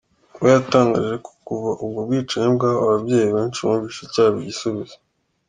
We yatangaje ko kuva ubwo bwicanyi bwaba ababyeyi benshi bumvise cyaba igisubizo.